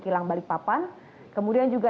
kilang balikpapan kemudian juga